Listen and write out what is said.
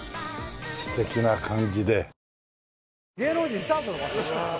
素敵な感じで。